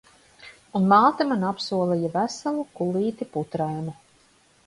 Un māte man apsolīja veselu kulīti putraimu.